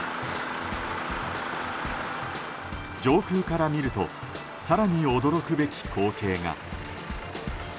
上空から見ると更に驚くべき光景が。